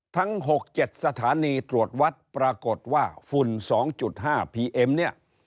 ทั้งหกเจ็ดสถานีตรวจวัดปรากฏว่าฟุ่น๒๕ปีเอ่มเนี้ย